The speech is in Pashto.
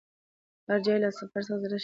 د هرچا به له سفر څخه زړه شین وو